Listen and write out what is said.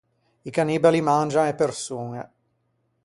I cannibali mangian e persoñe.